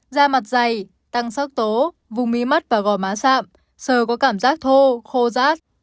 da mặt dày tăng sắc tố vùng mía mắt và gò má sạm sờ có cảm giác thô khô rát